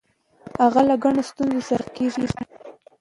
هغه له ګڼو ستونزو سره مخ کیږي.